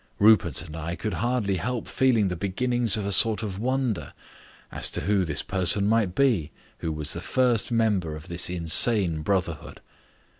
Rupert and I could hardly help feeling the beginnings of a sort of wonder as to who this person might be who was the first member of this insane brotherhood.